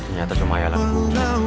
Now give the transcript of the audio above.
ternyata cuma ayah lagi